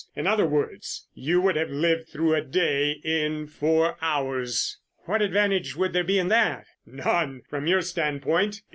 In other words, you would have lived through a day in four hours." "What advantage would there be in that?" "None, from your standpoint.